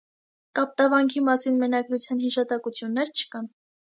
Կապտավանքի մասին մատենագրության հիշատակություններ չկան։